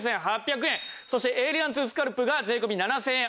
そしてエイリラン２スカルプが税込７０００円。